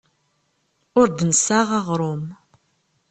Ur d-nessaɣ aɣrum.